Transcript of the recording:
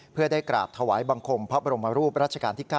เพื่อได้กราบถวายบังคมพระบรมรูปรัชกาลที่๙